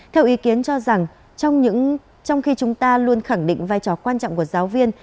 theo ý kiến cho rằng trong khi chúng ta luôn khẳng định vai trò quan trọng của giáo viên